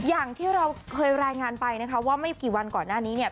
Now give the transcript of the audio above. อย่างที่เราเคยรายงานไปนะคะว่าไม่กี่วันก่อนหน้านี้เนี่ย